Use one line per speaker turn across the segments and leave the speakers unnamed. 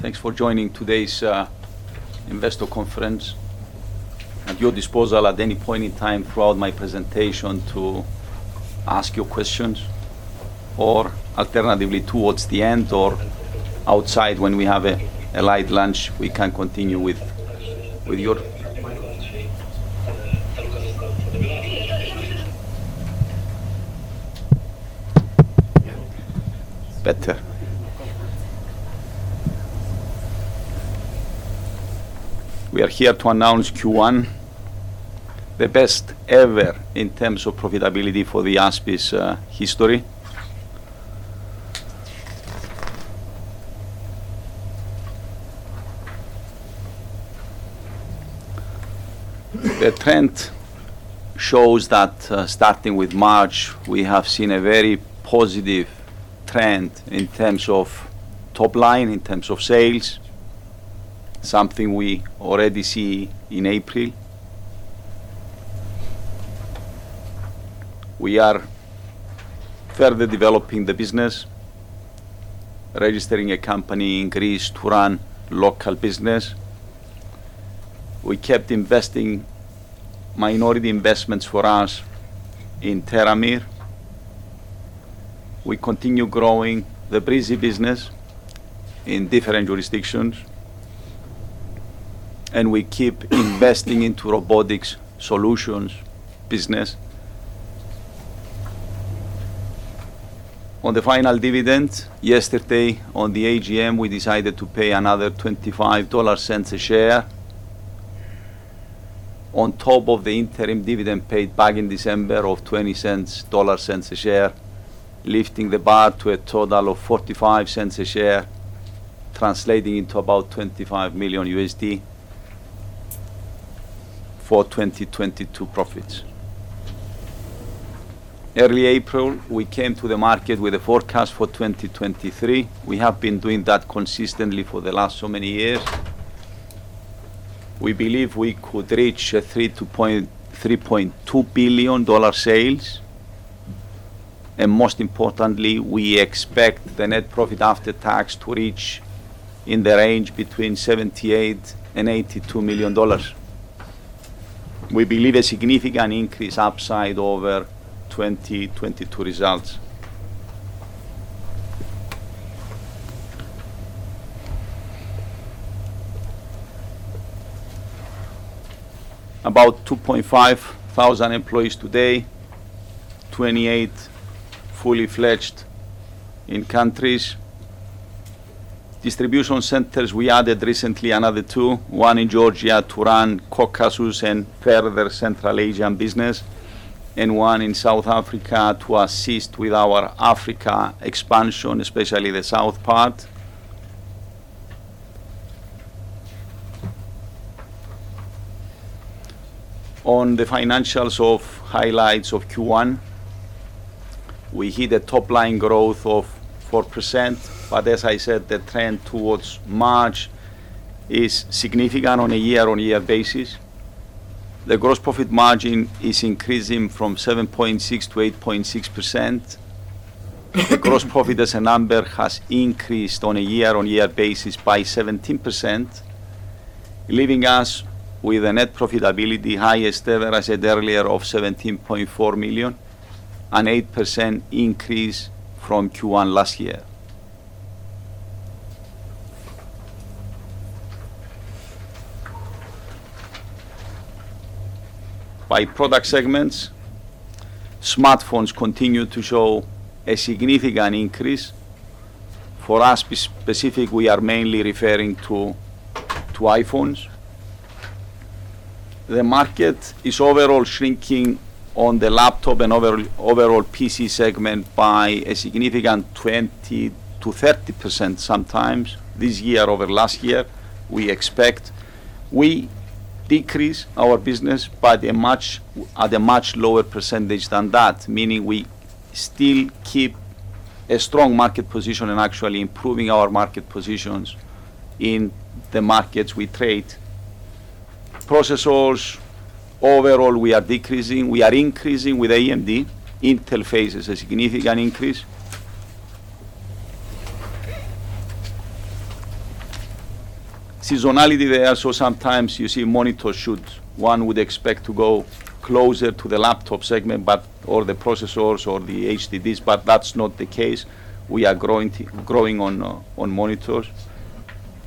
Thanks for joining today's investor conference. At your disposal at any point in time throughout my presentation to ask your questions, or alternatively, towards the end or outside when we have a light lunch, we can continue with your better. We are here to announce Q1, the best ever in terms of profitability for the ASBIS history. The trend shows that starting with March, we have seen a very positive trend in terms of top line, in terms of sales, something we already see in April. We are further developing the business, registering a company in Greece to run local business. We kept investing minority investments for us in Theramir. We continue growing the Breezy business in different jurisdictions. We keep investing into robotics solutions business. On the final dividend, yesterday on the AGM, we decided to pay another $0.25 a share on top of the interim dividend paid back in December of $0.20 a share, lifting the bar to a total of $0.45 a share, translating into about $25 million for 2022 profits. Early April, we came to the market with a forecast for 2023. We have been doing that consistently for the last so many years. We believe we could reach a 3.2 billion dollar sales. Most importantly, we expect the net profit after tax to reach in the range between $78 million and $82 million. We believe a significant increase upside over 2022 results. About 2,500 employees today. 28 fully fledged countries. Distribution centers, we added recently another two, one in Georgia to run Caucasus and further Central Asian business, and one in South Africa to assist with our Africa expansion, especially the south part. On the financial highlights of Q1, we hit a top-line growth of 4%, but as I said, the trend towards March is significant on a year-over-year basis. The gross profit margin is increasing from 7.6% to 8.6%. The gross profit as a number has increased on a year-over-year basis by 17%, leaving us with a net profitability highest ever, I said earlier, of $17.4 million, an 8% increase from Q1 last year. By product segments, smartphones continue to show a significant increase. For us specifically, we are mainly referring to iPhones. The market is overall shrinking on the laptop and overall PC segment by a significant 20%-30% sometimes this year over last year, we expect. We decrease our business at a much lower percentage than that, meaning we still keep a strong market position and actually improving our market positions in the markets we trade. Processors, overall, we are decreasing. We are increasing with AMD. Intel faces a significant increase. Seasonality there, so sometimes you see monitors should, one would expect to go closer to the laptop segment, but all the processors or the HDDs, but that's not the case. We are growing on monitors.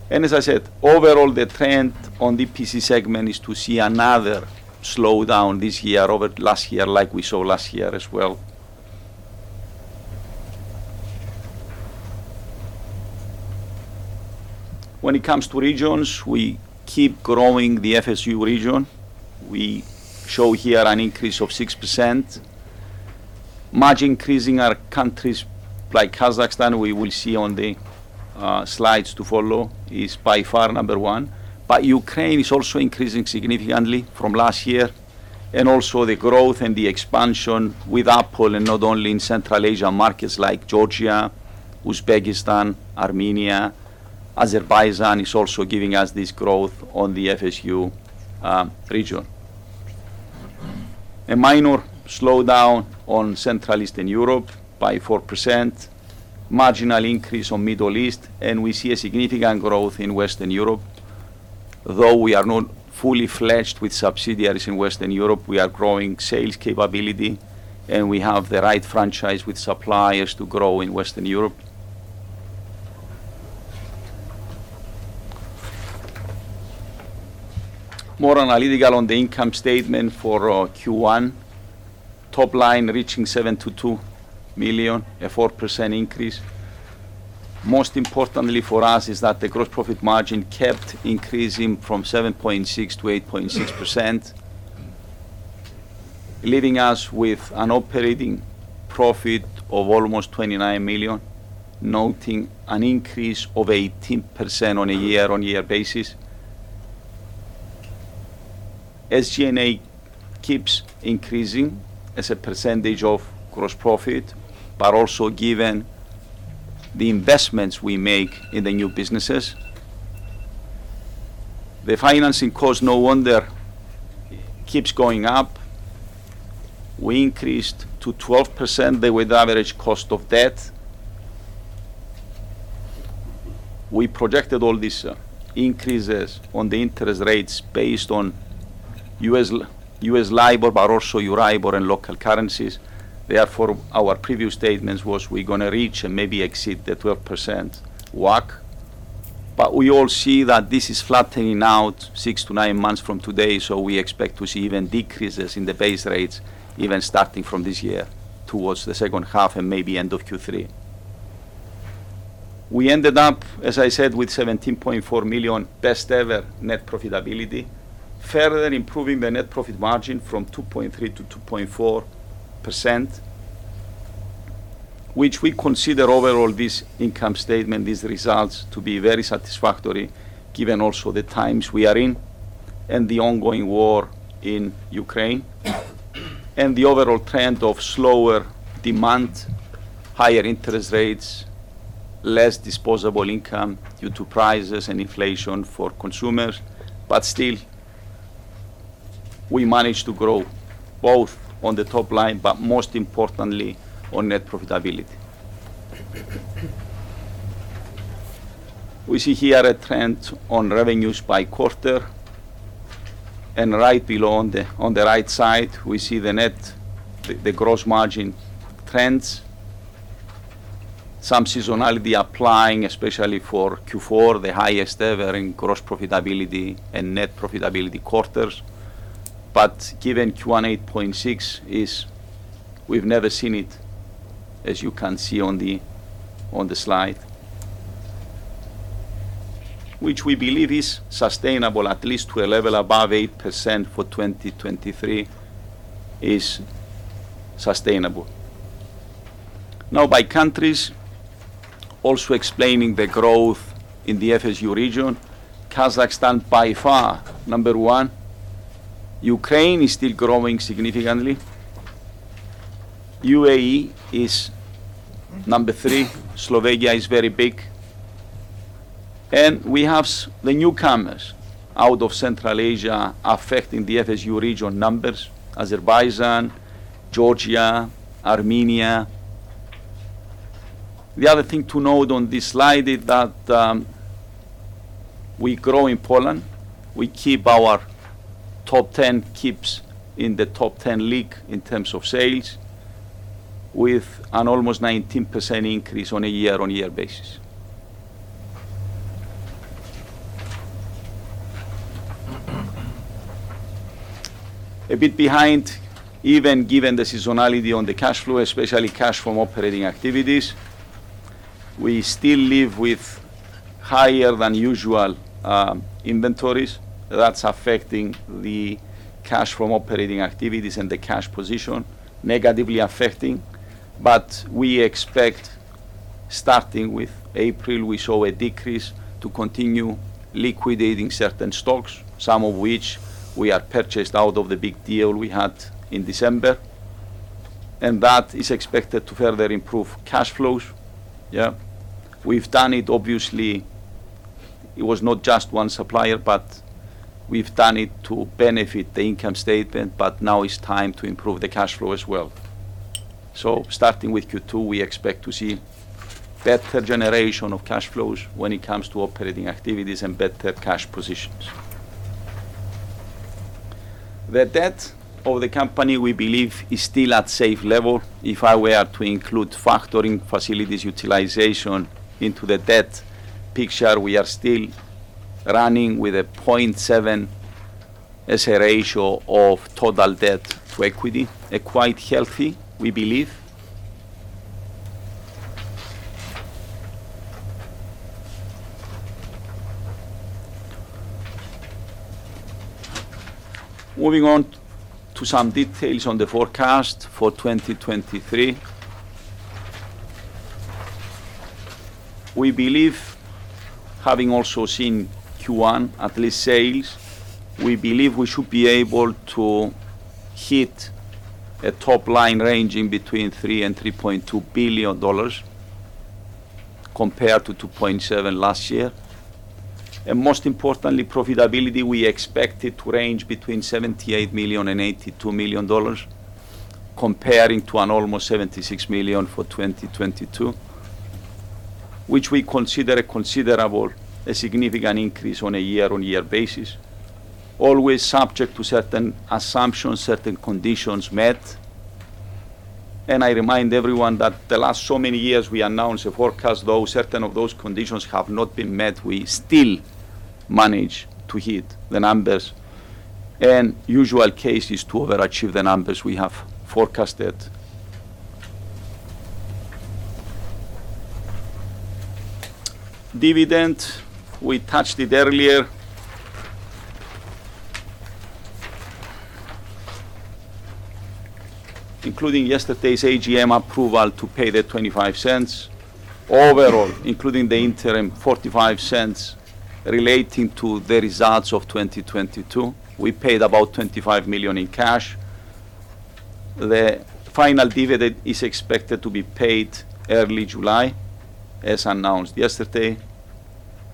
As I said, overall, the trend on the PC segment is to see another slowdown this year over last year like we saw last year as well. When it comes to regions, we keep growing the FSU region. We show here an increase of 6%. Much increase in our countries like Kazakhstan, we will see on the slides to follow, is by far number one. Ukraine is also increasing significantly from last year. The growth and the expansion with Apple and not only in Central Asia markets like Georgia, Uzbekistan, Armenia. Azerbaijan is also giving us this growth on the FSU region. A minor slowdown on Central Eastern Europe by 4%, marginal increase on Middle East, and we see a significant growth in Western Europe. Though we are not fully fledged with subsidiaries in Western Europe, we are growing sales capability, and we have the right franchise with suppliers to grow in Western Europe. More analytical on the income statement for Q1. Top line reaching $72 million, a 4% increase. Most importantly for us is that the gross profit margin kept increasing from 7.6% to 8.6%, leaving us with an operating profit of almost $29 million, noting an increase of 18% on a year-on-year basis. SG&A keeps increasing as a percentage of gross profit, but also given the investments we make in the new businesses. The financing cost, no wonder, keeps going up. We increased to 12% the weighted average cost of debt. We projected all these increases on the interest rates based on USD LIBOR, but also Euribor and local currencies. Therefore, our previous statements was we're gonna reach and maybe exceed the 12% WACC. We all see that this is flattening out six to nine months from today, so we expect to see even decreases in the base rates even starting from this year towards the second half and maybe end of Q3. We ended up, as I said, with $17.4 million best ever net profitability, further improving the net profit margin from 2.3%-2.4%, which we consider overall this income statement, these results, to be very satisfactory given also the times we are in and the ongoing war in Ukraine and the overall trend of slower demand, higher interest rates, less disposable income due to prices and inflation for consumers. Still, we managed to grow both on the top line, but most importantly, on net profitability. We see here a trend on revenues by quarter, and right below on the right side, we see the gross margin trends. Some seasonality applying especially for Q4, the highest ever in gross profitability and net profitability quarters. Given Q1 8.6% we've never seen it, as you can see on the slide, which we believe is sustainable at least to a level above 8% for 2023 is sustainable. Now by countries also explaining the growth in the FSU region. Kazakhstan by far number one. Ukraine is still growing significantly. UAE is number three. Slovakia is very big. We have the newcomers out of Central Asia affecting the FSU region numbers, Azerbaijan, Georgia, Armenia. The other thing to note on this slide is that we grow in Poland. We keep our top 10 keeps in the top 10 league in terms of sales with an almost 19% increase on a year-on-year basis. A bit behind, even given the seasonality on the cash flow, especially cash from operating activities, we still live with higher than usual inventories. That's affecting the cash from operating activities and the cash position negatively affecting. We expect, starting with April, we saw a decrease to continue liquidating certain stocks, some of which we had purchased out of the big deal we had in December. That is expected to further improve cash flows. Yeah. We've done it, obviously it was not just one supplier, but we've done it to benefit the income statement, but now it's time to improve the cash flow as well. Starting with Q2, we expect to see better generation of cash flows when it comes to operating activities and better cash positions. The debt of the company, we believe, is still at safe level. If I were to include factoring facilities utilization into the debt picture, we are still running with 0.7 as a ratio of total debt to equity. A quite healthy, we believe. Moving on to some details on the forecast for 2023. We believe, having also seen Q1, at least sales, we believe we should be able to hit a top line ranging between $3 billion and $3.2 billion. Compared to $2.7 billion last year. Most importantly, profitability, we expect it to range between $78 million and $82 million comparing to an almost $76 million for 2022, which we consider a considerable and significant increase on a year-on-year basis, always subject to certain assumptions, certain conditions met. I remind everyone that the last so many years we announced a forecast, though certain of those conditions have not been met, we still managed to hit the numbers, and usual case is to overachieve the numbers we have forecasted. Dividend, we touched it earlier including yesterday's AGM approval to pay the $0.25. Overall, including the interim $0.45 relating to the results of 2022, we paid about $25 million in cash. The final dividend is expected to be paid early July, as announced yesterday,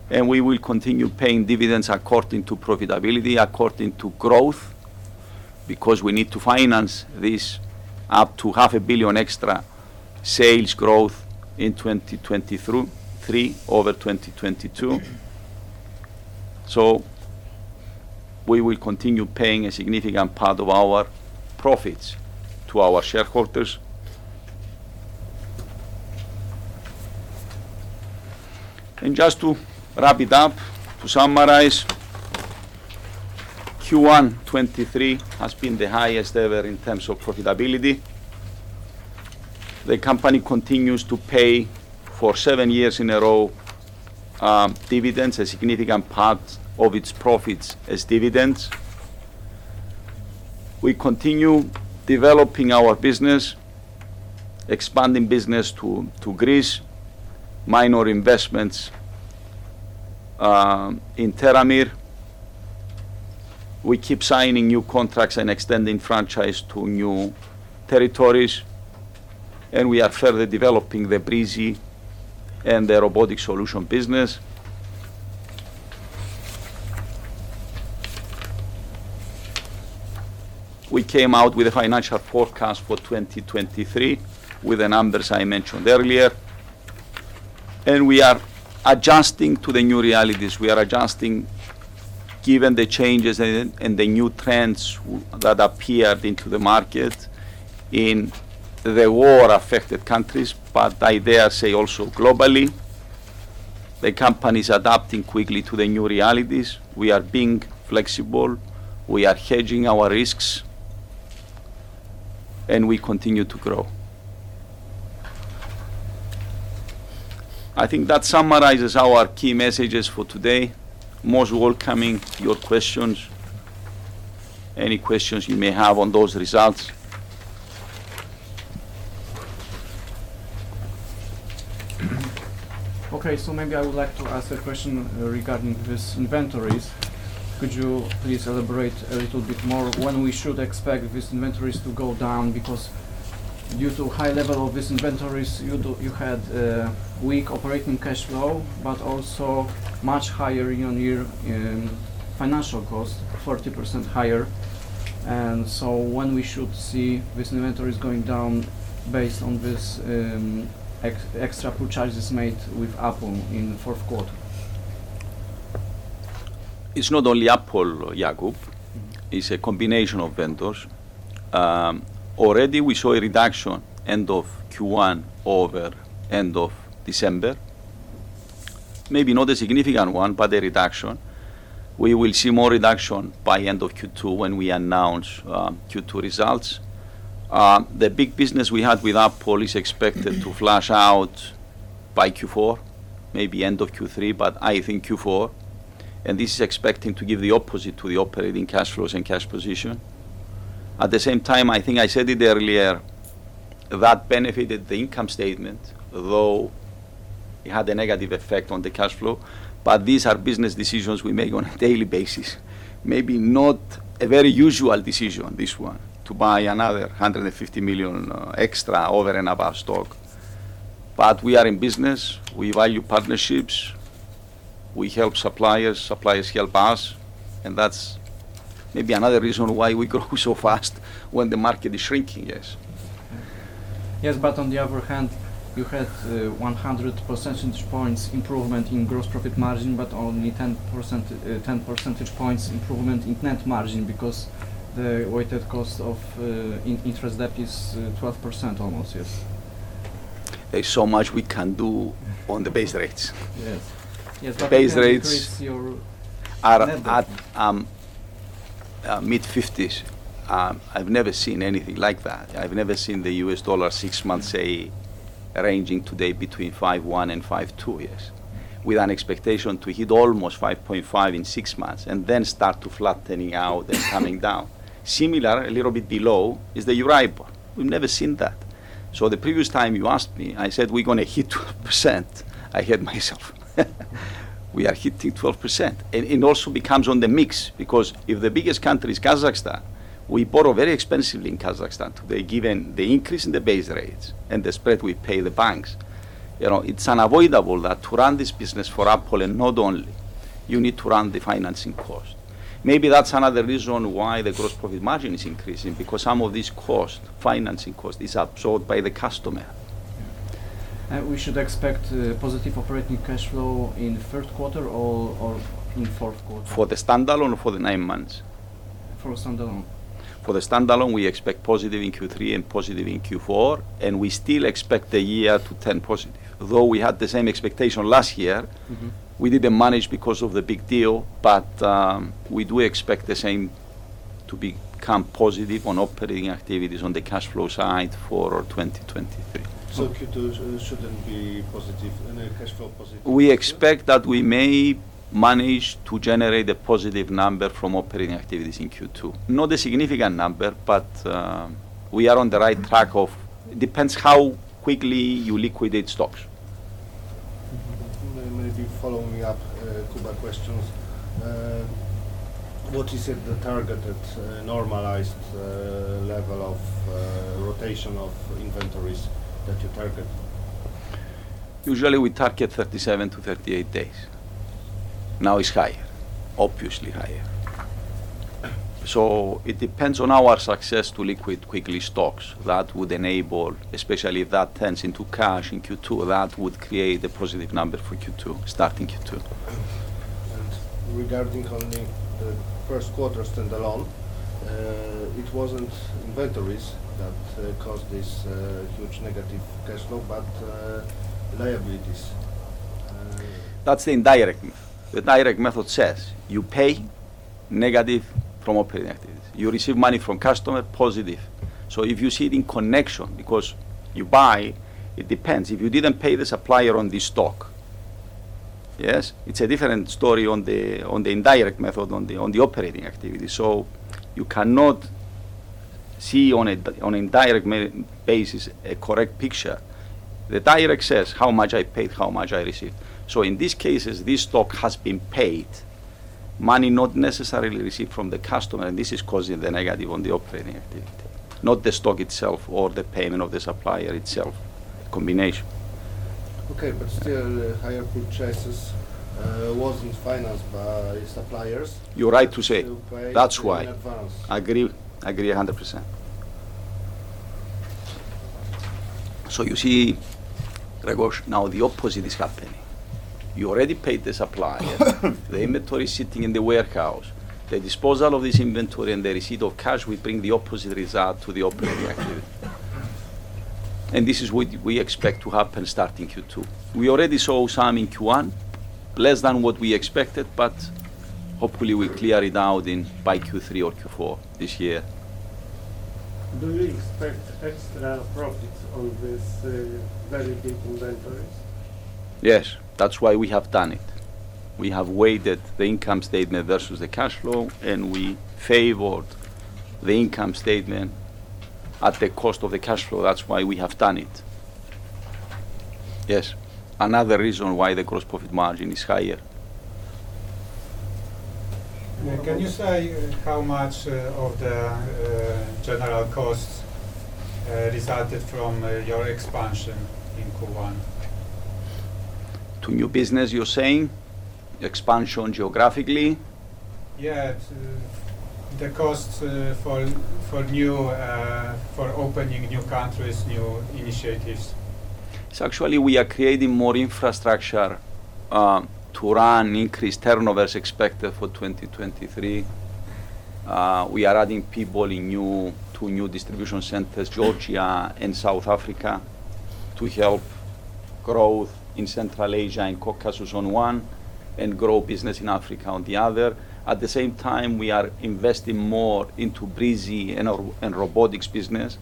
and we will continue paying dividends according to profitability, according to growth, because we need to finance this up to $0.5 billion extra sales growth in 2023 over 2022. We will continue paying a significant part of our profits to our shareholders. Just to wrap it up, to summarize, Q1 2023 has been the highest ever in terms of profitability. The company continues to pay for seven years in a row, dividends, a significant part of its profits as dividends. We continue developing our business, expanding business to Greece, minor investments in Theramir. We keep signing new contracts and extending franchise to new territories, and we are further developing the Breezy and the robotic solution business. We came out with a financial forecast for 2023 with the numbers I mentioned earlier. We are adjusting to the new realities. We are adjusting given the changes and the new trends that appeared into the market in the war-affected countries, but I dare say also globally. The company's adapting quickly to the new realities. We are being flexible, we are hedging our risks, and we continue to grow. I think that summarizes our key messages for today. Most welcome to your questions, any questions you may have on those results.
Maybe I would like to ask a question regarding these inventories. Could you please elaborate a little bit more when we should expect these inventories to go down? Because due to high level of these inventories, you had weak operating cash flow, but also much higher year-over-year financing cost, 40% higher. When we should see these inventories going down based on these extra purchases made with Apple in the fourth quarter?
It's not only Apple, Jakub.
Mm-hmm.
It's a combination of vendors. Already we saw a reduction end of Q1 over end of December. Maybe not a significant one, but a reduction. We will see more reduction by end of Q2 when we announce Q2 results. The big business we had with Apple is expected to flush out by Q4, maybe end of Q3, but I think Q4. This is expecting to give the opposite to the operating cash flows and cash position. At the same time, I think I said it earlier, that benefited the income statement, although it had a negative effect on the cash flow. These are business decisions we make on a daily basis. Maybe not a very usual decision, this one, to buy another $150 million extra over and above stock. We are in business. We value partnerships. We help suppliers help us, and that's maybe another reason why we grow so fast when the market is shrinking. Yes.
On the other hand, you had 100 percentage points improvement in gross profit margin, but only 10 percentage points improvement in net margin because the weighted cost of interest debt is almost 12%. Yes.
There's so much we can do on the base rates.
Yes. Yes.
The base rates.
You have to increase your net debt.
Are at mid-50s. I've never seen anything like that. I've never seen the U.S. dollar six months, say, ranging today between 5.1% and 5.2%. Yes. With an expectation to hit almost 5.5% in six months and then start to flatten out and coming down. Similar, a little bit below, is the Euribor. We've never seen that. The previous time you asked me, I said we're gonna hit 2%. I hit myself. We are hitting 12%. It also comes into the mix because if the biggest country is Kazakhstan, we borrow very expensively in Kazakhstan today, given the increase in the base rates and the spread we pay the banks. You know, it's unavoidable that to run this business for Apple and not only, you need to run the financing cost. Maybe that's another reason why the gross profit margin is increasing because some of this cost, financing cost, is absorbed by the customer.
Yeah. We should expect positive operating cash flow in first quarter or in fourth quarter?
For the standalone or for the nine months?
For standalone.
For the standalone, we expect positive in Q3 and positive in Q4, and we still expect the year to turn positive. Though we had the same expectation last year.
Mm-hmm
We didn't manage because of the big deal. We do expect the same to become positive on operating activities on the cash flow side for 2023.
Q2 shouldn't be positive? Any cash flow positive in Q2?
We expect that we may manage to generate a positive number from operating activities in Q2. Not a significant number, but we are on the right track. Depends how quickly you liquidate stocks.
Mm-hmm.
Maybe follow up, Jakub Płonka questions. What is the target at normalized level of rotation of inventories that you target?
Usually we target 37-38 days. Now it's higher, obviously higher. It depends on our success to liquidate quickly stocks. That would enable, especially if that turns into cash in Q2, that would create a positive number for Q2 starting Q2.
Regarding only the first quarter standalone, it wasn't inventories that caused this huge negative cash flow, but liabilities.
That's the indirect method. The direct method says you pay negative from operating activities. You receive money from customer, positive. If you see it in conjunction, because you buy, it depends. If you didn't pay the supplier on this stock, yes? It's a different story on the indirect method on the operating activity. You cannot see on an indirect basis a correct picture. The direct says how much I paid, how much I received. In these cases, this stock has been paid. Money not necessarily received from the customer, and this is causing the negative on the operating activity, not the stock itself or the payment of the supplier itself combination.
Okay. Still, higher purchases wasn't financed by suppliers.
You're right to say.
You paid in advance.
That's why. Agree 100%. You see, Grzegorz, now the opposite is happening. You already paid the supplier. The inventory is sitting in the warehouse. The disposal of this inventory and the receipt of cash will bring the opposite result to the operating activity. This is what we expect to happen starting Q2. We already saw some in Q1. Less than what we expected, but hopefully we clear it out in by Q3 or Q4 this year.
Do you expect extra profit on this, very big inventories?
Yes. That's why we have done it. We have weighted the income statement versus the cash flow, and we favored the income statement at the cost of the cash flow. That's why we have done it. Yes. Another reason why the gross profit margin is higher.
Can you say how much of the general costs resulted from your expansion in Q1?
To new business, you're saying? Expansion geographically?
Yeah. To the costs for opening new countries, new initiatives.
Actually, we are creating more infrastructure to run increased turnover as expected for 2023. We are adding people in two new distribution centers, Georgia and South Africa, to help growth in Central Asia and Caucasus on one, and grow business in Africa on the other. At the same time, we are investing more into Breezy and robotics business.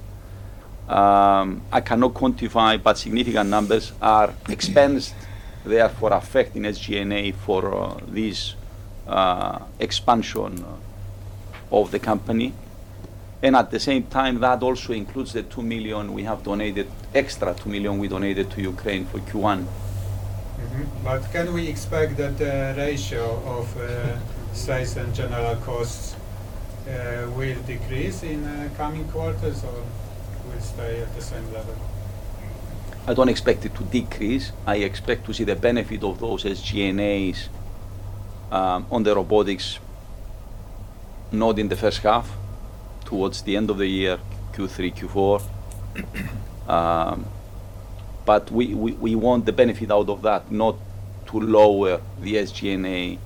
I cannot quantify, but significant numbers are expensed, therefore affecting SG&A for this expansion of the company. At the same time, that also includes the extra $2 million we donated to Ukraine for Q1.
Can we expect that the ratio of sales and general costs will decrease in coming quarters or will stay at the same level?
I don't expect it to decrease. I expect to see the benefit of those SG&As on the robotics not in the first half, towards the end of the year, Q3, Q4. We want the benefit out of that, not to lower the SG&A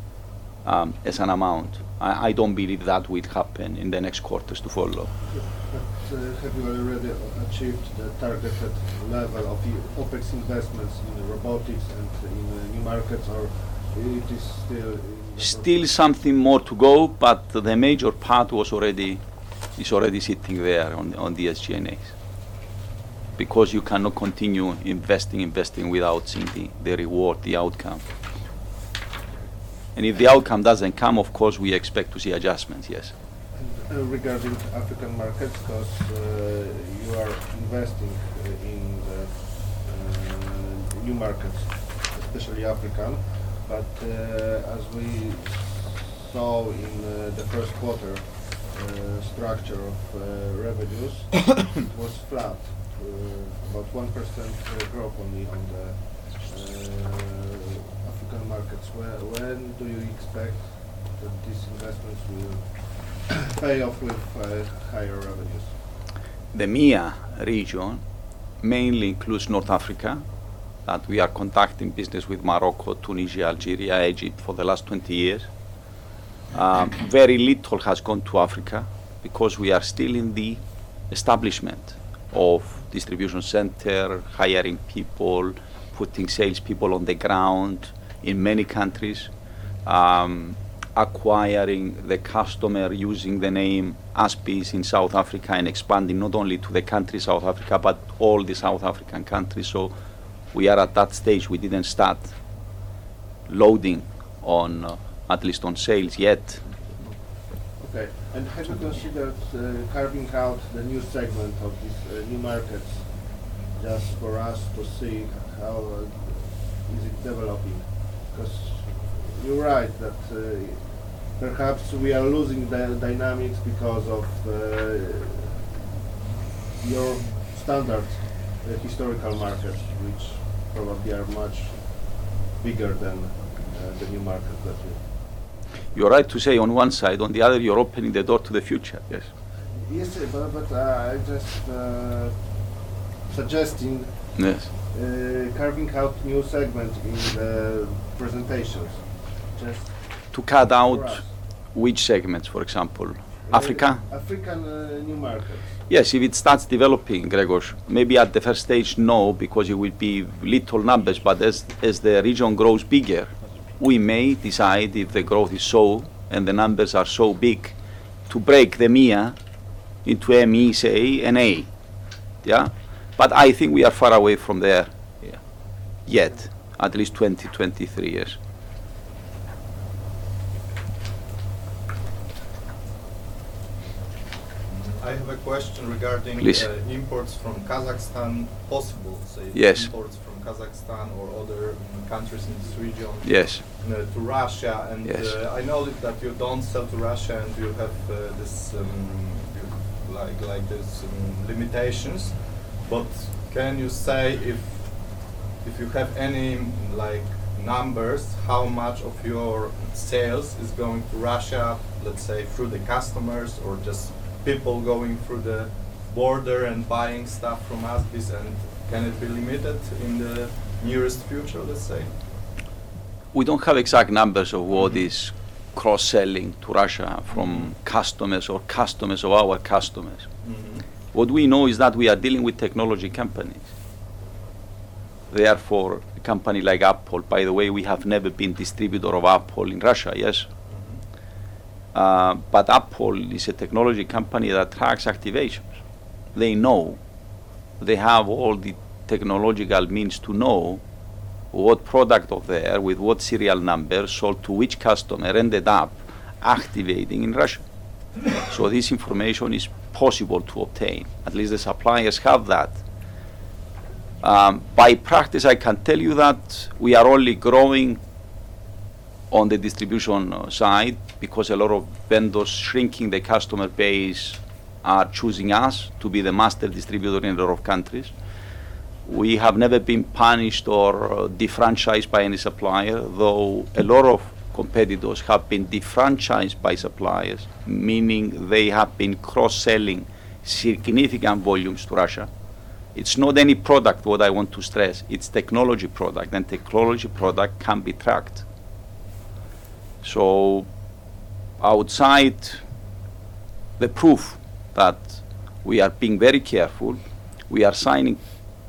as an amount. I don't believe that will happen in the next quarters to follow.
Have you already achieved the targeted level of the OpEx investments in the robotics and in the new markets, or it is still in the process?
Still something more to go, but the major part is already sitting there on the SG&As. Because you cannot continue investing without seeing the reward, the outcome. If the outcome doesn't come, of course, we expect to see adjustments, yes.
Regarding African markets, 'cause you are investing in the new markets, especially African. As we saw in the first quarter, structure of revenues, it was flat. About 1% growth only on the African markets. When do you expect that these investments will pay off with higher revenues?
The MEA region mainly includes North Africa that we are conducting business with Morocco, Tunisia, Algeria, Egypt for the last 20 years. Very little has gone to Africa because we are still in the establishment of distribution center, hiring people, putting sales people on the ground in many countries. Acquiring the customer, using the name ASBIS in South Africa and expanding not only to the country South Africa, but all the South African countries. We are at that stage. We didn't start loading on, at least on sales yet.
Okay. Have you considered carving out the new segment of these new markets just for us to see how is it developing? Because you're right that perhaps we are losing the dynamics because of your standard historical markets, which probably are much bigger than the new market that you.
You're right to say on one side. On the other, you're opening the door to the future. Yes.
Yes. I just suggesting.
Yes.
Carving out new segment in the presentations.
To cut out.
For us.
Which segments, for example? Africa?
African new market.
Yes. If it starts developing, Grzegorz, maybe at the first stage, no, because it will be little numbers. As the region grows bigger.
That's true.
we may decide if the growth is so and the numbers are so big, to break the MEA into ME, say, and A. Yeah? I think we are far away from there.
Yeah
Yet, at least 2023 years.
I have a question regarding.
Please
Imports from Kazakhstan. Possible, say
Yes
Imports from Kazakhstan or other countries in this region.
Yes
To Russia and
Yes
I know that you don't sell to Russia, and you have this like limitations. Can you say if you have any like numbers, how much of your sales is going to Russia, let's say, through the customers or just people going through the border and buying stuff from ASBIS? Can it be limited in the nearest future, let's say?
We don't have exact numbers of what is cross-selling to Russia from customers or customers of our customers.
Mm-hmm.
What we know is that we are dealing with technology companies. Therefore, a company like Apple. By the way, we have never been distributor of Apple in Russia. Yes?
Mm-hmm.
Apple is a technology company that tracks activations. They know. They have all the technological means to know what product of their, with what serial number, sold to which customer, ended up activating in Russia. This information is possible to obtain. At least the suppliers have that. In practice, I can tell you that we are only growing on the distribution side because a lot of vendors shrinking their customer base are choosing us to be the master distributor in a lot of countries. We have never been punished or defranchised by any supplier, though a lot of competitors have been defranchised by suppliers, meaning they have been cross-selling significant volumes to Russia. It's not any product what I want to stress, it's technology product, and technology product can be tracked. As outside proof that we are being very careful, we are signing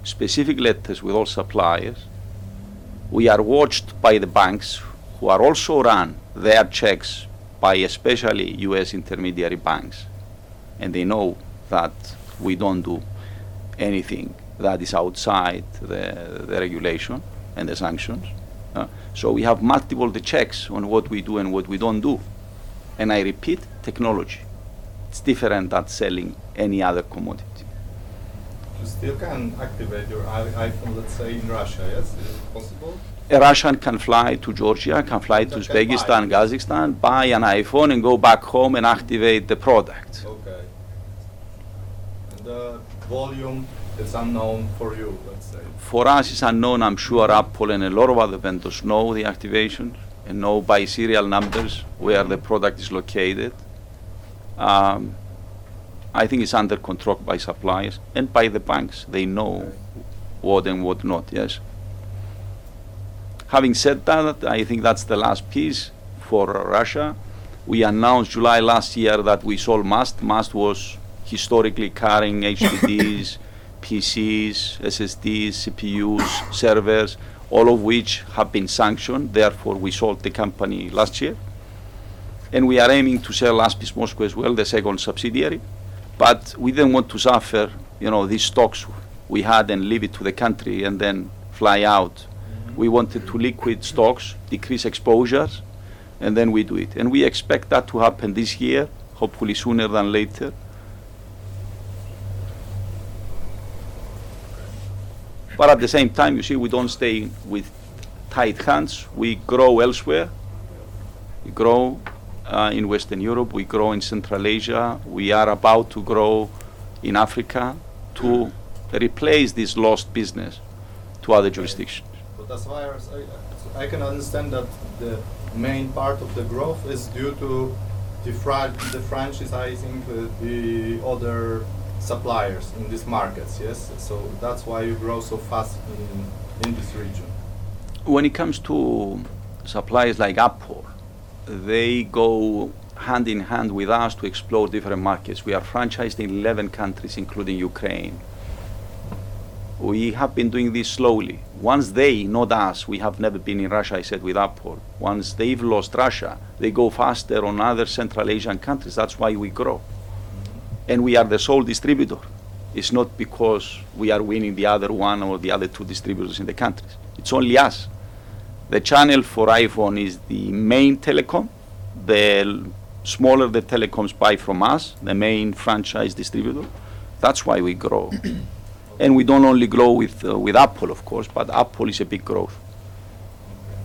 specific letters with all suppliers. We are watched by the banks, who also run their checks, especially U.S. intermediary banks, and they know that we don't do anything that is outside the regulation and the sanctions. We have multiple checks on what we do and what we don't do. I repeat, technology. It's different than selling any other commodity.
You still can activate your iPhone, let's say, in Russia? Yes? Is it possible?
A Russian can fly to Georgia, can fly to Kyrgyzstan.
They can fly.
Kazakhstan, buy an iPhone and go back home and activate the product.
Okay. The volume is unknown for you, let's say.
For us, it's unknown. I'm sure Apple and a lot of other vendors know the activation and know by serial numbers where the product is located. I think it's under control by suppliers and by the banks. They know.
Right
What and what not. Yes. Having said that, I think that's the last piece for Russia. We announced July last year that we sold Must. Must was historically carrying HDDs, PCs, SSDs, CPUs, servers, all of which have been sanctioned, therefore we sold the company last year. We are aiming to sell ASBIS Moscow as well, the second subsidiary. We didn't want to suffer, you know, these stocks we had and leave it to the country and then fly out. We wanted to liquidate stocks, decrease exposures, and then we do it. We expect that to happen this year, hopefully sooner than later. At the same time, you see, we don't stay with tied hands. We grow elsewhere.
Yeah.
We grow in Western Europe, we grow in Central Asia. We are about to grow in Africa to replace this lost business to other jurisdictions.
Right. That's why I can understand that the main part of the growth is due to defranchising the other suppliers in these markets, yes? That's why you grow so fast in this region.
When it comes to suppliers like Apple, they go hand in hand with us to explore different markets. We are franchised in 11 countries, including Ukraine. We have been doing this slowly. Once they, not us, we have never been in Russia, I said, with Apple. Once they've lost Russia, they go faster on other Central Asian countries. That's why we grow. We are the sole distributor. It's not because we are winning the other one or the other two distributors in the countries. It's only us. The channel for iPhone is the main telecom. The smaller the telecoms buy from us, the main franchise distributor, that's why we grow. We don't only grow with Apple, of course, but Apple is a big growth.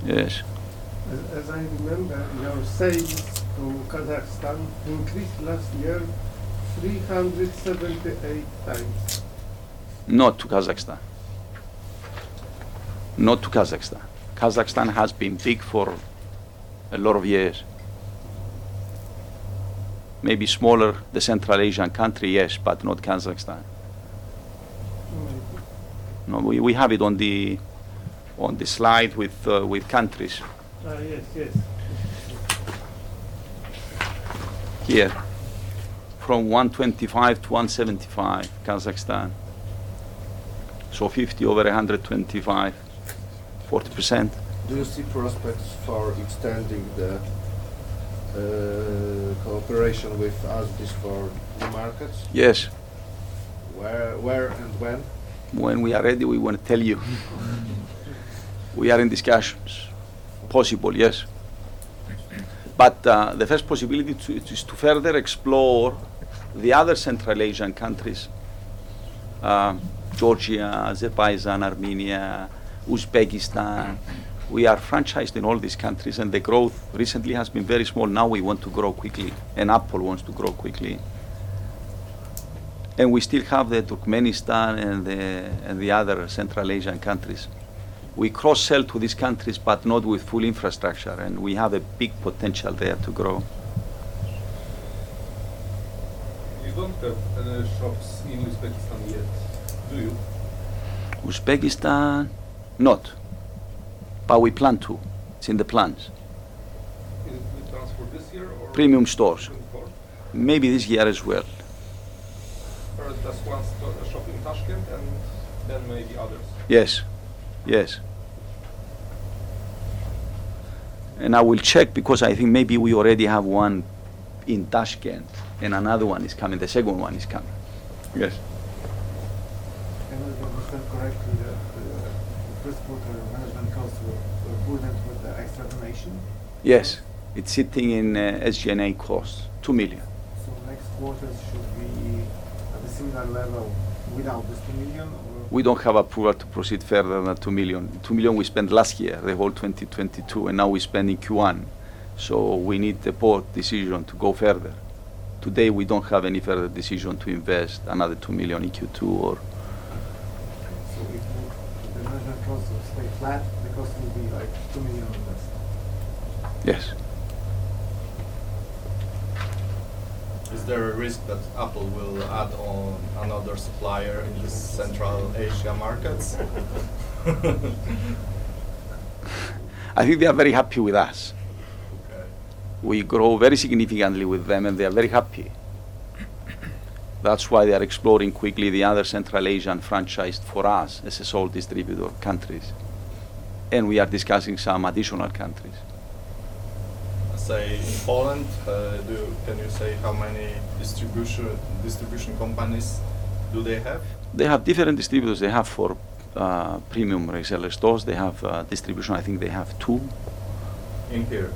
Okay.
Yes.
As I remember, your sales to Kazakhstan increased last year 378 times.
Not to Kazakhstan. Not to Kazakhstan. Kazakhstan has been big for a lot of years. Maybe smaller, the Central Asian country, yes, but not Kazakhstan.
Oh, I see.
No, we have it on the slide with countries.
Yes, yes.
Here. From $125-$175, Kazakhstan. 50 over 125, 40%.
Do you see prospects for extending the cooperation with ASBIS for new markets?
Yes.
Where and when?
When we are ready, we will tell you. We are in discussions. Possible, yes. But the first possibility is to further explore the other Central Asian countries, Georgia, Azerbaijan, Armenia, Uzbekistan. We are franchised in all these countries, and the growth recently has been very small. Now we want to grow quickly, and Apple wants to grow quickly. We still have Turkmenistan and the other Central Asian countries. We cross-sell to these countries, but not with full infrastructure, and we have a big potential there to grow.
You don't have shops in Uzbekistan yet, do you?
Uzbekistan, not. We plan to. It's in the plans.
Is the plans for this year?
Premium stores
Next year?
Maybe this year as well.
First, just one shop in Tashkent, and then maybe others.
Yes. Yes. I will check because I think maybe we already have one in Tashkent, and another one is coming. The second one is coming. Yes.
Can I understand correctly that the first quarter management costs were prudent with the explanation?
Yes. It's sitting in SG&A costs, $2 million.
Next quarter should be at a similar level without this $2 million, or?
We don't have approval to proceed further than that $2 million. $2 million we spent last year, the whole 2022, and now we spend in Q1. We need the board decision to go further. Today, we don't have any further decision to invest another $2 million in Q2.
If the management costs will stay flat, the cost will be like $2 million or less?
Yes.
Is there a risk that Apple will add on another supplier in the Central Asia markets?
I think they are very happy with us.
Okay.
We grow very significantly with them, and they are very happy. That's why they are exploring quickly the other Central Asian franchise for us as a sole distributor of countries. We are discussing some additional countries.
Say, in Poland, can you say how many distribution companies do they have?
They have different distributors. They have, for premium reseller stores. They have distribution. I think they have two.
In here?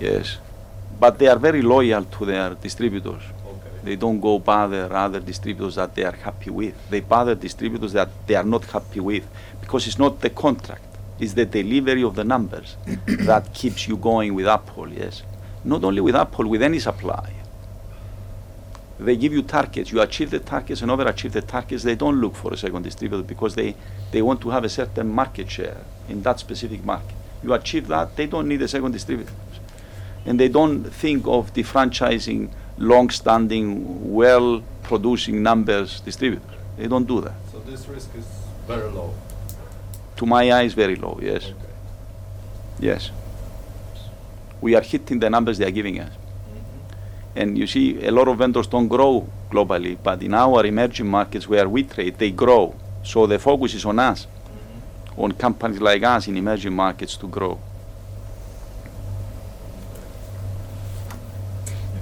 Yes. They are very loyal to their distributors.
Okay.
They don't go bother other distributors that they are happy with. They bother distributors that they are not happy with because it's not the contract, it's the delivery of the numbers that keeps you going with Apple, yes. Not only with Apple, with any supplier. They give you targets. You achieve the targets and overachieve the targets, they don't look for a second distributor because they want to have a certain market share in that specific market. You achieve that, they don't need a second distributor. They don't think of defranchising long-standing, well-producing numbers distributor. They don't do that.
This risk is very low?
To my eye, it's very low, yes.
Okay.
Yes. We are hitting the numbers they are giving us. You see a lot of vendors don't grow globally, but in our emerging markets where we trade, they grow. The focus is on us.
Mm-hmm
on companies like us in emerging markets to grow.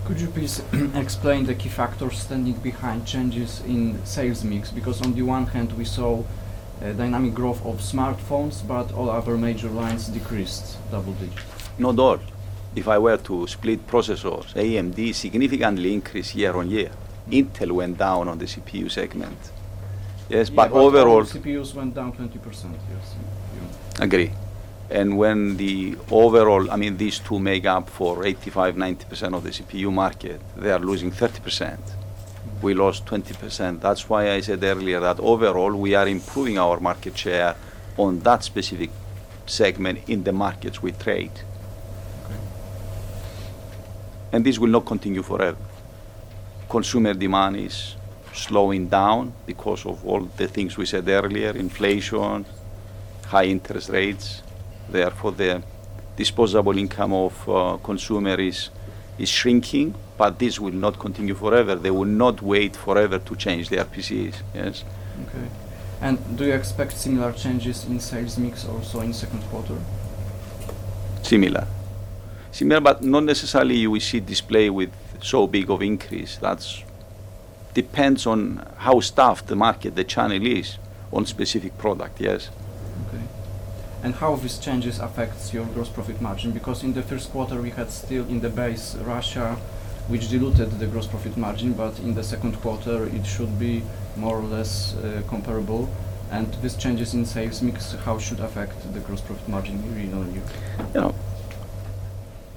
Could you please explain the key factors standing behind changes in sales mix? Because on the one hand, we saw a dynamic growth of smartphones, but all other major lines decreased double-digit.
Not all. If I were to split processors, AMD significantly increased year on year. Intel went down on the CPU segment. Yes, but overall.
Yeah, all CPUs went down 20%. Yes.
Agree. I mean, these two make up 85%-90% of the CPU market. They are losing 30%.
Mm-hmm.
We lost 20%. That's why I said earlier that overall we are improving our market share on that specific segment in the markets we trade.
Okay.
This will not continue forever. Consumer demand is slowing down because of all the things we said earlier, inflation, high interest rates. Therefore, the disposable income of consumer is shrinking, but this will not continue forever. They will not wait forever to change their PCs. Yes?
Okay. Do you expect similar changes in sales mix also in second quarter?
Similar, but not necessarily we see displays with so big an increase. Depends on how saturated the market, the channel is on specific products, yes?
Okay. How these changes affects your gross profit margin? Because in the first quarter we had still in the base Russia, which diluted the gross profit margin, but in the second quarter it should be more or less, comparable. These changes in sales mix, how should affect the gross profit margin year-on-year?
You know,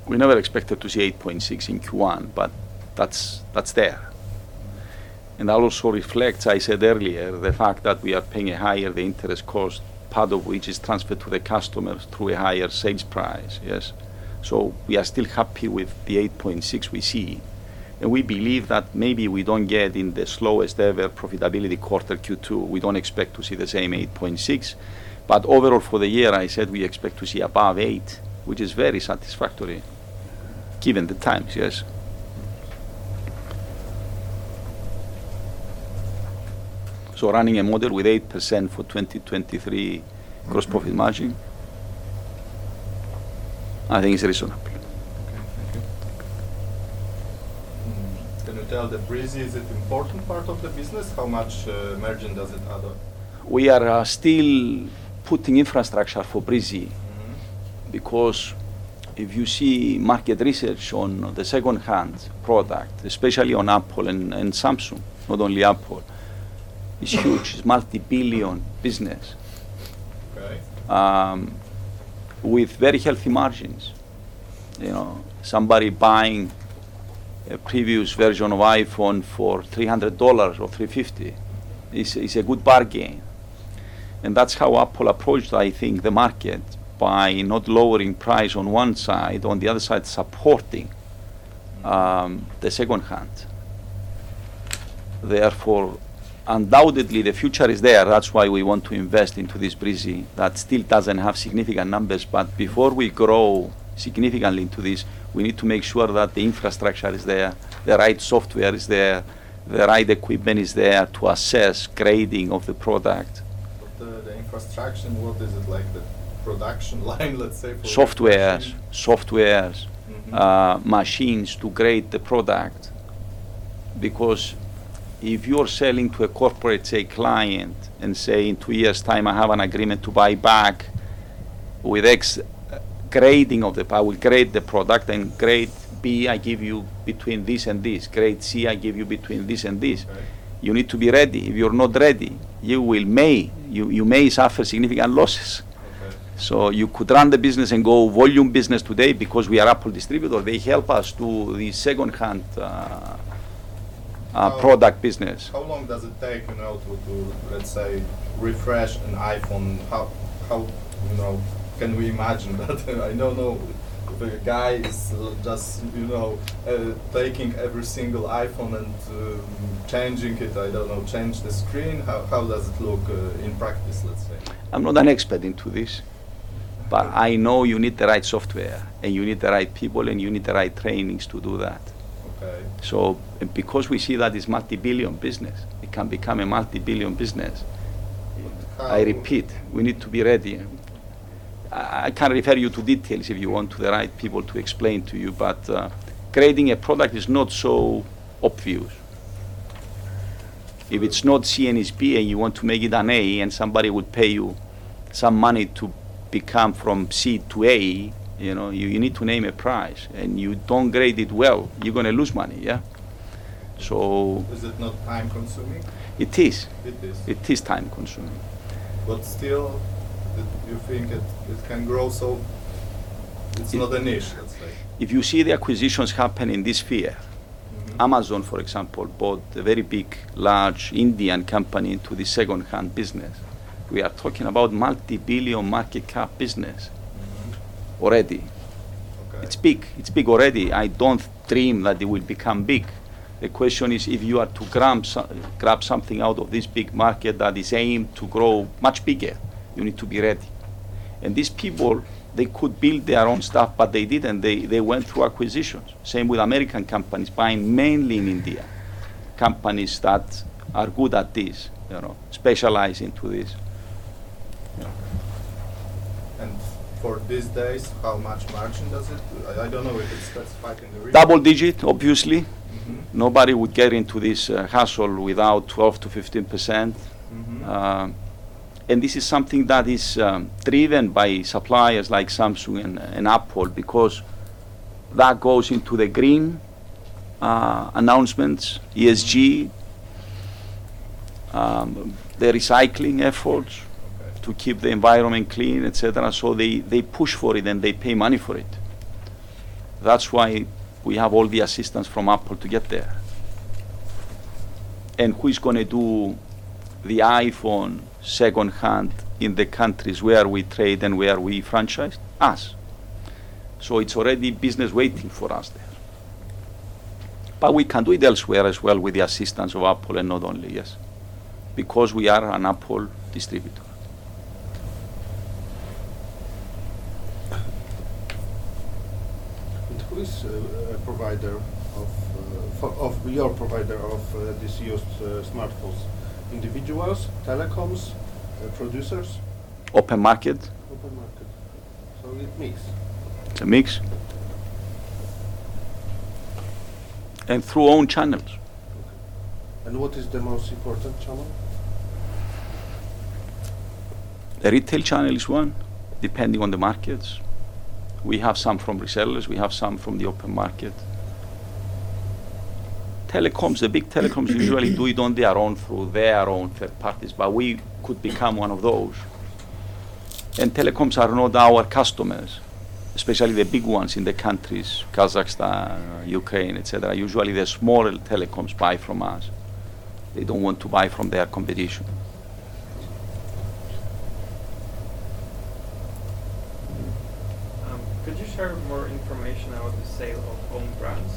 we never expected to see 8.6 in Q1, but that's there.
Mm-hmm.
That also reflects, I said earlier, the fact that we are paying a higher interest cost, part of which is transferred to the customers through a higher sales price, yes? We are still happy with the 8.6% we see. We believe that maybe we don't get in the slowest ever profitability quarter Q2, we don't expect to see the same 8.6%. Overall, for the year, I said we expect to see above 8%, which is very satisfactory.
Mm-hmm
Given the times, yes? Running a model with 8% for 2023
Mm-hmm
Gross profit margin, I think it's reasonable.
Okay. Thank you.
Can you tell that Breezy, is it important part of the business? How much margin does it add up?
We are still putting infrastructure for Breezy.
Mm-hmm.
Because if you see market research on the secondhand product, especially on Apple and Samsung, not only Apple, it's huge. It's multi-billion business.
Right.
With very healthy margins. You know, somebody buying a previous version of iPhone for $300 or $350 is a good bargain. That's how Apple approached, I think, the market, by not lowering price on one side, on the other side supporting.
Mm-hmm
The second-hand. Therefore, undoubtedly, the future is there. That's why we want to invest into this Breezy that still doesn't have significant numbers. But before we grow significantly into this, we need to make sure that the infrastructure is there, the right software is there, the right equipment is there to assess grading of the product.
The infrastructure, what is it? Like the production line, let's say, for Breezy?
Software.
Mm-hmm
Machines to grade the product. Because if you're selling to a corporate, say, client and say, "In two years' time I have an agreement to buy back with X, I will grade the product, and grade B I give you between this and this. Grade C I give you between this and this.
Right.
You need to be ready. If you're not ready, you may suffer significant losses.
Okay.
You could run the business and go volume business today because we are Apple distributor. They help us do the second-hand product business.
How long does it take, you know, to let's say, refresh an iPhone? How, you know, can we imagine that? I don't know if a guy is just, you know, taking every single iPhone and changing it. I don't know, change the screen. How does it look in practice, let's say?
I'm not an expert in this.
Okay
I know you need the right software, and you need the right people, and you need the right trainings to do that.
Okay.
Because we see that it's multi-billion business, it can become a multi-billion business.
How
I repeat, we need to be ready. I can refer you to details if you want to the right people to explain to you. Grading a product is not so obvious.
Okay.
If it's not C and it's B, and you want to make it an A, and somebody would pay you some money to become from C to A, you know, you need to name a price. You don't grade it well, you're gonna lose money, yeah?
Is it not time-consuming?
It is.
It is.
It is time-consuming.
Still, do you think it can grow so?
If
It's not a niche, let's say?
If you see the acquisitions happen in this sphere.
Mm-hmm
Amazon, for example, bought a very big, large Indian company into the second-hand business. We are talking about multi-billion market cap business.
Mm-hmm
Already.
Okay.
It's big. It's big already. I don't dream that it will become big. The question is if you are to grab something out of this big market that is aimed to grow much bigger, you need to be ready. These people, they could build their own stuff, but they didn't. They went through acquisitions. Same with American companies, buying mainly in India, companies that are good at this, you know, specialize into this. Yeah.
For these days, how much margin does it? I don't know if it's specified in the
Double digit, obviously.
Mm-hmm.
Nobody would get into this hassle without 12%-15%.
Mm-hmm.
This is something that is driven by suppliers like Samsung and Apple, because that goes into the green announcements, ESG, the recycling efforts.
Okay
To keep the environment clean, et cetera. They push for it, and they pay money for it. That's why we have all the assistance from Apple to get there. Who's gonna do the iPhone secondhand in the countries where we trade and where we franchise? Us. It's already business waiting for us there. We can do it elsewhere as well with the assistance of Apple and not only, yes, because we are an Apple distributor.
Who is a provider of these used smartphones? Individuals, telecoms, producers?
Open market.
Open market. It mix.
A mix. Through own channels.
Okay. What is the most important channel?
The retail channel is one, depending on the markets. We have some from resellers. We have some from the open market. Telecoms, the big telecoms usually do it on their own through their own third parties, but we could become one of those. Telecoms are not our customers, especially the big ones in the countries, Kazakhstan or Ukraine, et cetera. Usually, the smaller telecoms buy from us. They don't want to buy from their competition.
Could you share more information about the sale of own brands?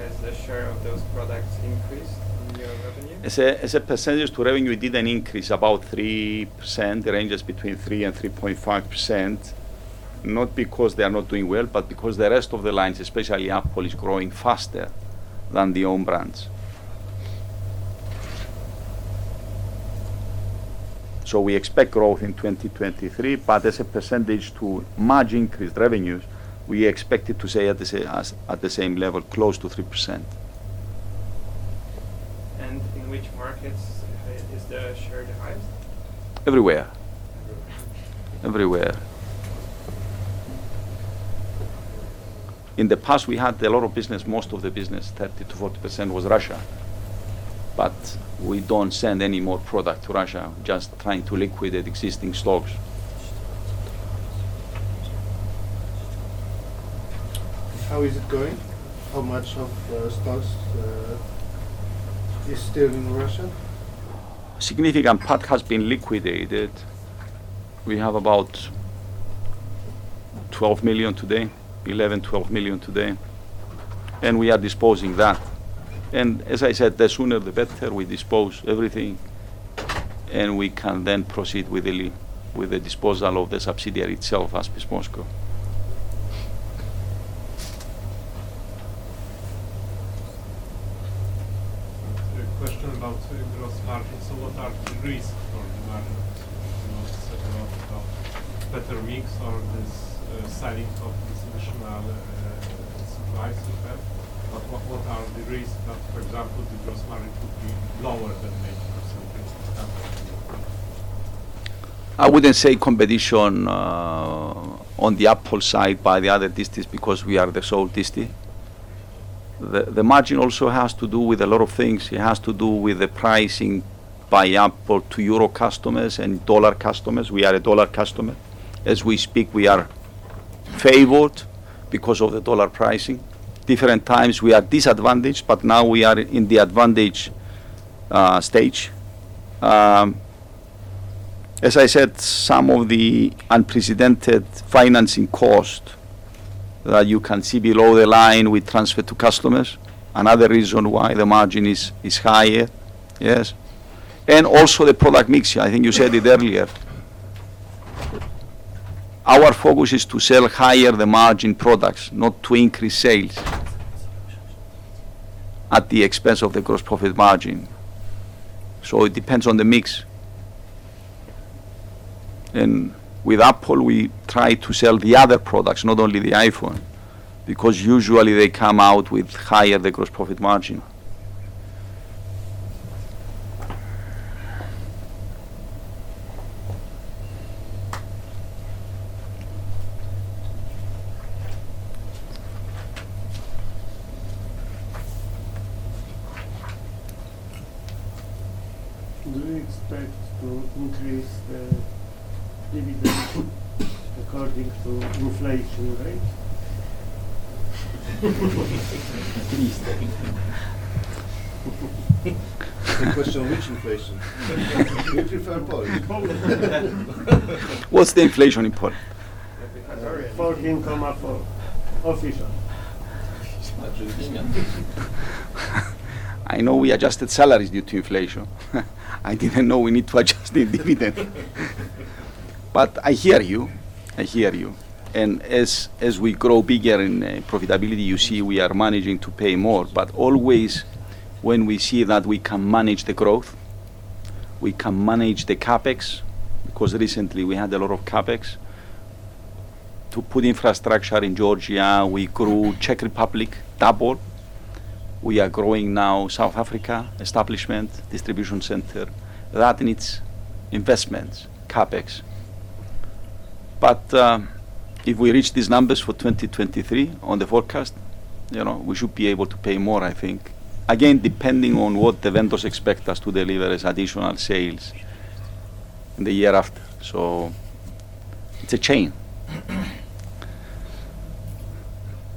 Has the share of those products increased in your revenue?
As a percentage to revenue, it did an increase, about 3%. It ranges between 3%-3.5%, not because they are not doing well, but because the rest of the lines, especially Apple, is growing faster than the own brands. We expect growth in 2023, but as a percentage to much increased revenues, we expect it to stay at the same level, close to 3%.
In which markets is the share the highest?
Everywhere.
Everywhere.
Everywhere. In the past, we had a lot of business, most of the business, 30%-40% was Russia, but we don't send any more product to Russia. We're just trying to liquidate existing stocks.
How is it going? How much of stocks is still in Russia?
Significant part has been liquidated. We have about $11-$12 million today, and we are disposing that. As I said, the sooner the better we dispose everything, and we can then proceed with the disposal of the subsidiary itself, ASBIS Moscow.
A quick question about the gross margin. What are the risks for the margin? You know, you said a lot about better mix or this, selling of this additional, supplies you have. What are the risks that, for example, the gross margin could be lower than maybe standard you have?
I wouldn't say competition on the Apple side by the other distributors because we are the sole distributor. The margin also has to do with a lot of things. It has to do with the pricing by Apple to Euro customers and dollar customers. We are a dollar customer. As we speak, we are favored because of the dollar pricing. Different times we are disadvantaged, but now we are in the advantage stage. As I said, some of the unprecedented financing cost that you can see below the line, we transfer to customers. Another reason why the margin is higher. Yes. Also the product mix. I think you said it earlier. Our focus is to sell higher the margin products, not to increase sales at the expense of the gross profit margin. It depends on the mix. With Apple, we try to sell the other products, not only the iPhone, because usually they come out with higher, the gross profit margin.
Do you expect to increase the dividend according to inflation rate?
At least.
The question, which inflation?
Which you prefer, Paul?
What's the inflation in Poland?
14.4. Official.
I know we adjusted salaries due to inflation. I didn't know we need to adjust the dividend. I hear you, I hear you. As we grow bigger in profitability, you see we are managing to pay more. Always, when we see that we can manage the growth, we can manage the CapEx, because recently we had a lot of CapEx. To put infrastructure in Georgia, we grew Czech Republic double. We are growing now South Africa, establishment, distribution center. That needs investments, CapEx. If we reach these numbers for 2023 on the forecast, you know, we should be able to pay more, I think. Again, depending on what the vendors expect us to deliver as additional sales the year after. It's a chain.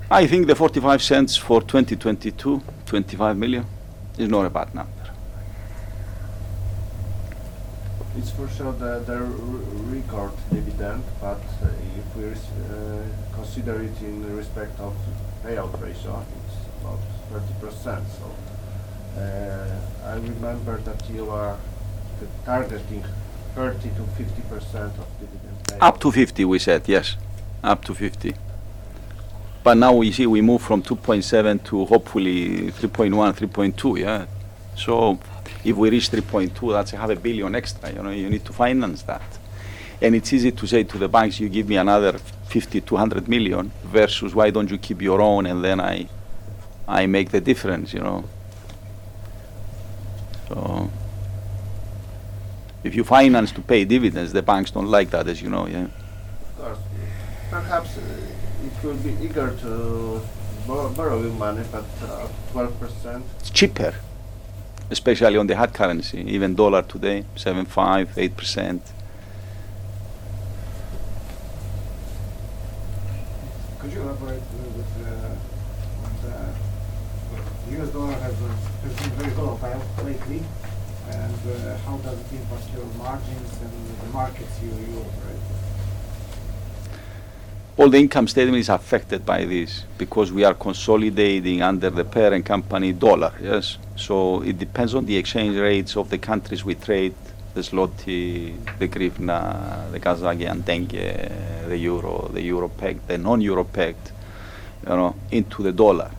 I think the $0.45 for 2022, $25 million is not a bad number.
It's for sure the record dividend, but if we consider it in respect of payout ratio, it's about 30%. I remember that you are targeting 30%-50% of dividend payout.
Up to $50 million we said, yes. Up to $50 million. Now we see we move from $2.7 billion to hopefully $3.1 billion, $3.2 billion, yeah? If we reach $3.2 billion, that's a half a billion extra, you know? It's easy to say to the banks, "You give me another $50 million, $200 million," versus, "Why don't you keep your own and then I make the difference," you know? If you finance to pay dividends, the banks don't like that, as you know, yeah.
Of course. Perhaps it will be eager to borrow your money, but 12%.
It's cheaper, especially on the hard currency. Even dollar today, 7.5%-8%.
Could you elaborate on the U.S. dollar has been very volatile lately and how does it impact your margins and the markets you operate?
Well, the income statement is affected by this because we are consolidating under the parent company dollar, yes? It depends on the exchange rates of the countries we trade, the zloty, the hryvnia, the Kazakhstani tenge, the euro, the euro pegged, the non-euro pegged, you know, into the dollar.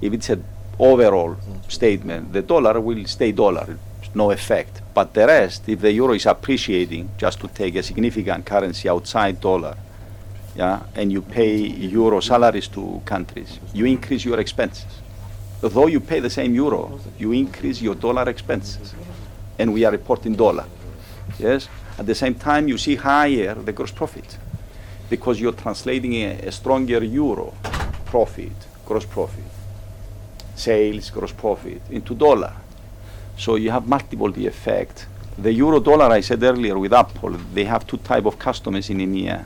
If it's an overall statement.
Mm-hmm.
The dollar will stay dollar. No effect. The rest, if the euro is appreciating, just to take a significant currency outside dollar, yeah, and you pay euro salaries to countries, you increase your expenses. Although you pay the same euro, you increase your dollar expenses, and we are reporting dollar. Yes. At the same time, you see higher the gross profit because you're translating a stronger euro profit, gross profit, sales gross profit into dollar. You have multiple the effect. The euro/dollar, I said earlier with Apple, they have two type of customers in EMEA.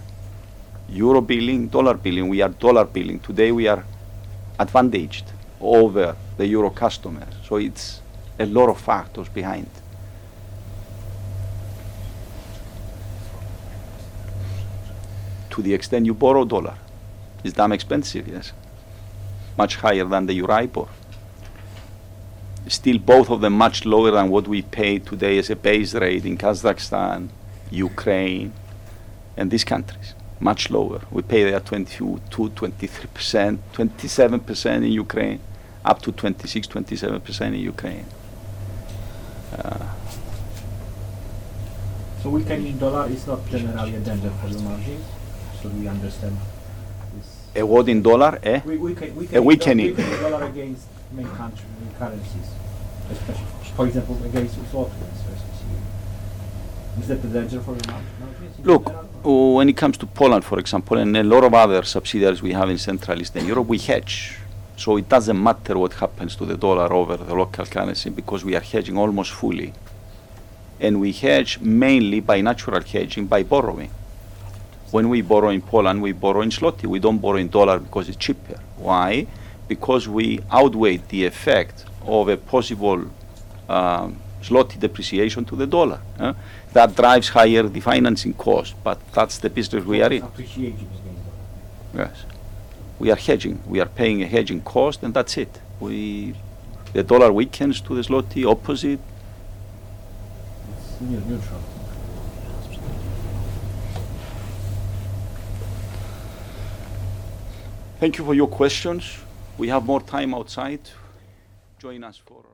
Euro billing, dollar billing. We are dollar billing. Today, we are advantaged over the euro customer, so it's a lot of factors behind. To the extent you borrow dollar is damn expensive, yes. Much higher than the Euribor. Still, both of them much lower than what we pay today as a base rate in Kazakhstan, Ukraine, and these countries. Much lower. We pay there 22 to 23%. 27% in Ukraine, up to 26%-27% in Ukraine.
Weakening dollar is not generally a danger for your margin, so we understand this.
What in dollars?
We can.
We can eat.
Dollar against many country currencies, especially. For example, against zloty versus euro. Is that a danger for your margins?
Look, when it comes to Poland, for example, and a lot of other subsidiaries we have in Central Eastern Europe, we hedge. It doesn't matter what happens to the dollar over the local currency because we are hedging almost fully, and we hedge mainly by natural hedging by borrowing. When we borrow in Poland, we borrow in zloty. We don't borrow in dollar because it's cheaper. Why? Because we outweigh the effect of a possible zloty depreciation to the dollar. That drives higher the financing cost, but that's the business we are in.
Appreciating zloty.
Yes. We are hedging. We are paying a hedging cost and that's it. The US dollar weakens to the zloty, opposite.
It's near neutral.
Thank you for your questions. We have more time outside.